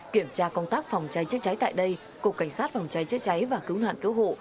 kiểm tra công tác phòng cháy chữa cháy tại đây cục cảnh sát phòng cháy chữa cháy và cứu nạn cứu hộ